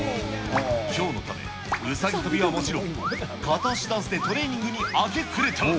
きょうのため、うさぎ跳びはもちろん、片足ダンスでトレーニングに明け暮れた。